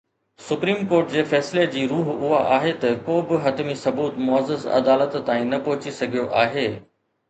Supreme court جي فيصلي جي روح اها آهي ته ڪو به حتمي ثبوت معزز عدالت تائين نه پهچي سگهيو آهي.